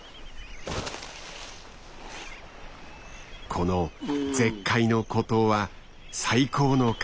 この絶海の孤島は最高の隠れが。